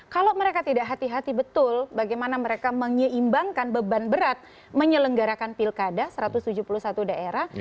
kalau mereka tidak hati hati betul bagaimana mereka menyeimbangkan beban berat menyelenggarakan pilkada satu ratus tujuh puluh satu daerah